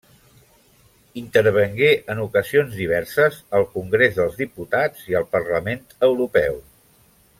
Intervengué en ocasions diverses al Congrés dels Diputats i al Parlament Europeu.